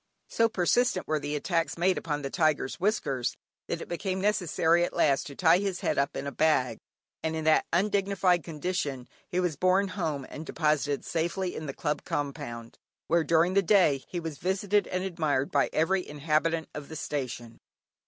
So persistent were the attacks made upon the tiger's whiskers, that it became necessary at last to tie his head up in a bag, and in that undignified condition he was borne home and deposited safely in the club compound, where during the day, he was visited and admired by every inhabitant of the station.